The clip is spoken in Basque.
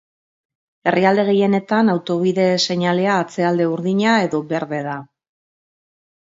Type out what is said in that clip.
Herrialde gehienetan, autobide seinalea atzealde urdina edo berde da.